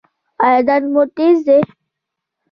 ایا درد مو تېز دی؟